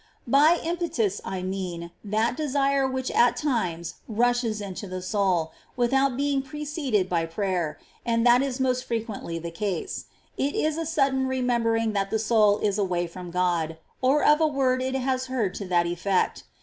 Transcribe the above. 13. By impetus I mean that desire which at ^^'*' times rushes Jo the soul, without beiug preceded by prayer, and that is most frequently the case ; it is a sudden remembering that the soul is away from God, or of a word it has heard to that efiPect.